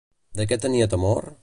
De què tenia temor?